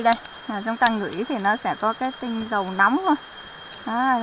nếu chúng ta ngửi thì nó sẽ có tinh dầu nóng